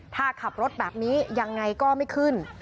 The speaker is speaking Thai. ถ้าขับรถแบบนี้ยังไงก็ไม่ขึ้น